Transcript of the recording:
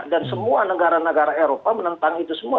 dan semua negara negara eropa menentang itu semua